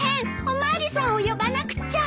お巡りさんを呼ばなくっちゃ！